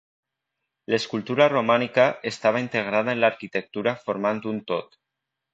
L'escultura romànica estava integrada en l'arquitectura formant un tot.